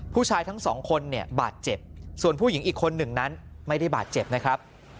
ผู้ชายทั้งสองคนเนี่ยบาดเจ็บส่วนผู้หญิงอีกคนหนึ่งนั้นไม่ได้บาดเจ็บนะครับ